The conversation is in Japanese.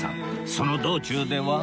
その道中では